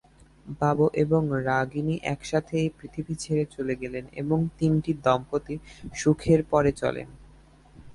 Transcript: বাবু এবং রাগিনী একসাথে এই পৃথিবী ছেড়ে চলে গেলেন এবং তিনটি দম্পতি সুখের পরে চলেন।